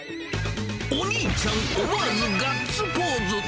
お兄ちゃん、思わずガッツポーズ。